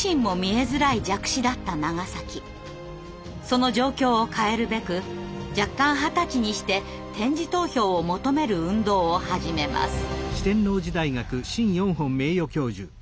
その状況を変えるべく弱冠二十歳にして点字投票を求める運動を始めます。